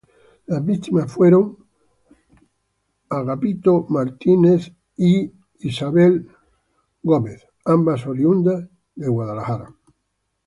Las víctimas fueron Florence Grace Johnson e Isabella Frazer Anderson, ambas oriundas de Kennington.